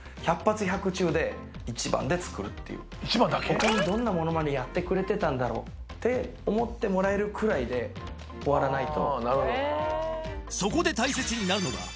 他にどんなモノマネやってくれてたんだろうって思ってもらえるくらいで終わらないと。